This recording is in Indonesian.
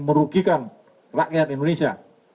merugikan rakyat indonesia